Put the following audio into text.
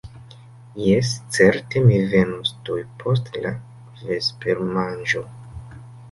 Jes, certe, mi venos tuj post la vespermanĝo.